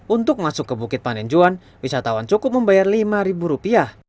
untuk masuk ke bukit panenjuan wisatawan cukup membayar rp lima